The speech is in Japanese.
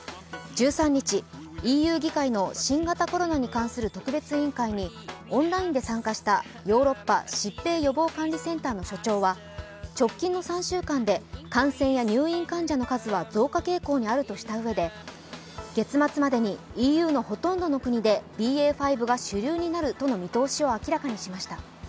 １３日、ＥＵ議会の新型コロナに関する特別委員会にオンラインで参加したヨーロッパ疾病予防管理センターの所長は直近の３週間で感染や入院の数は増加傾向にあるとしたうえで、月末までにＥＵのほとんどの国でＢＡ．５が主流になるとの見通しを明らかにしました。